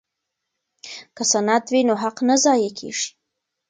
که سند وي نو حق نه ضایع کیږي.